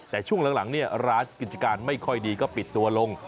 แต่ช่วงหลังเนี่ยร้านกิจการไม่ค่อยดีก็ปิดตัวลง